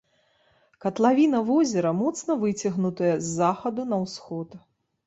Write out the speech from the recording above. Катлавіна возера моцна выцягнутая з захаду на ўсход.